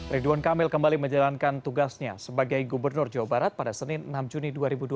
ridwan kamil kembali menjalankan tugasnya sebagai gubernur jawa barat pada senin enam juni dua ribu dua puluh